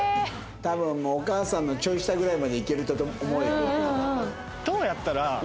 多分もうお母さんのちょい下ぐらいまでいけると思うよ。